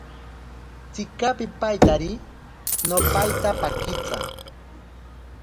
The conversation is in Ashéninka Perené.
Tsika pipaitari. No paita pakitsa.